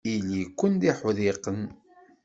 Ili-ken d uḥdiqen.